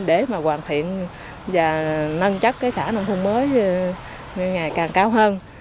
để mà hoàn thiện và nâng chất cái xã nông thôn mới ngày càng cao hơn